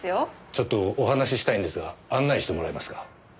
ちょっとお話したいんですが案内してもらえますか？